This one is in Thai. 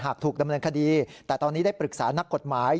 ถูกดำเนินคดีแต่ตอนนี้ได้ปรึกษานักกฎหมาย